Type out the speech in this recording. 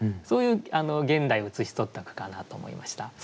そういう現代を写し取った句かなと思いました。